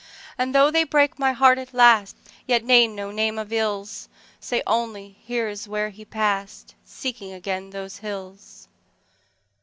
…And though they break my heart at last, Yet name no name of ills. Say only, "Here is where he passed, Seeking again those hills."